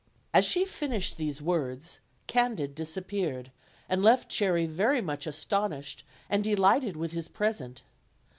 As she finished these words, Candid disappeared, and left Cherry very much astonished and delighted with his present.